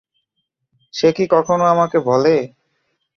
সে কী কখনো আমাকে বলে!